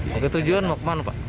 kita tujuan mau ke mana pak